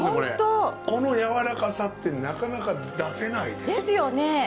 このやわらかさってなかなか出せないです。ですよね。